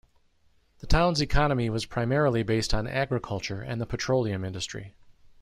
The town's economy was primarily based on agriculture and the petroleum industry.